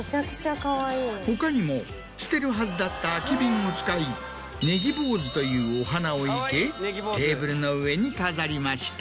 他にも捨てるはずだった空き瓶を使いネギ坊主というお花を生けテーブルの上に飾りました。